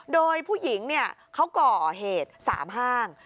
โดยผู้หญิงเขาก่อเหตุ๓ห้าง